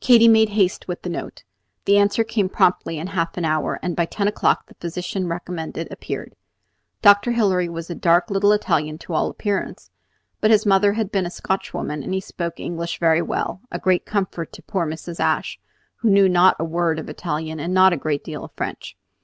Katy made haste with the note. The answer came promptly in half an hour, and by ten o'clock the physician recommended appeared. Dr. Hilary was a dark little Italian to all appearance; but his mother had been a Scotch woman, and he spoke English very well, a great comfort to poor Mrs. Ashe, who knew not a word of Italian and not a great deal of French.